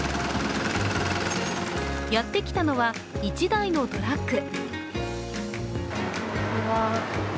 やってきたのは１台のトラック。